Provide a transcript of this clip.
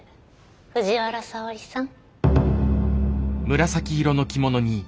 藤原沙織さん。